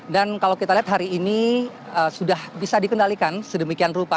dan kalau kita lihat hari ini sudah bisa dikendalikan sedemikian rupa